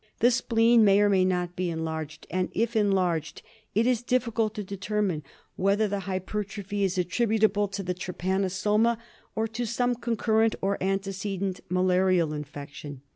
The spleen may or may not be enlarged ; and, if enlarged, it is difficult to determine whether the hypertrophy is attribut able to the trypanosoma, or to some concurrent or antecedent malarial infection.